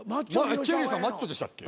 チェリーさんマッチョでしたっけ？